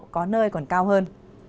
có nơi còn cao hơn